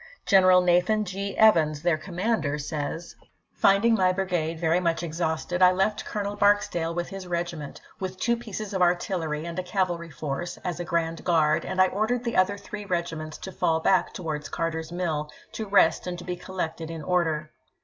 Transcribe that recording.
General Nathan G. Evans, their commander, says : Finding my brigade very much exhausted, I left Colonel Barksdale with his regiment, with two pieces Evans to of artOlery and a cavalry force, as a grand guard, and I Oct. 31, 1861. ordered the other three regiments to fall back towards v., p. 350.' Carter's Mih to rest and to be collected in order.